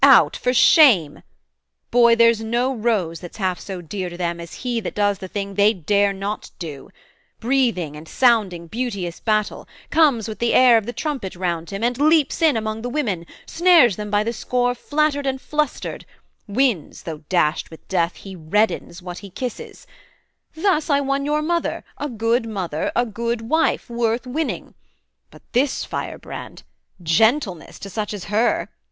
Out! for shame! Boy, there's no rose that's half so dear to them As he that does the thing they dare not do, Breathing and sounding beauteous battle, comes With the air of the trumpet round him, and leaps in Among the women, snares them by the score Flattered and flustered, wins, though dashed with death He reddens what he kisses: thus I won You mother, a good mother, a good wife, Worth winning; but this firebrand gentleness To such as her!